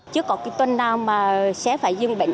chưa có cái tuần nào mà sẽ phải dưng bệnh